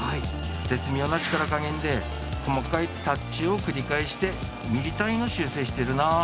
絶妙な力加減で細かいタッチを繰り返してミリ単位の修正してるな。